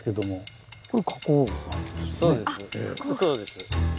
そうです。